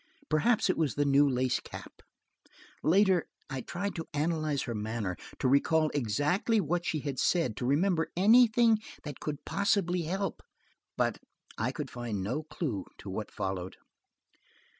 Perhaps it was the new lace cap. Later, I tried to analyze her manner, to recall exactly what she had said, to remember anything that could possibly help. But I could find no clue to what followed.